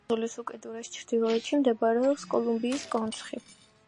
კუნძულის უკიდურეს ჩრდილოეთში მდებარეობს კოლუმბიის კონცხი.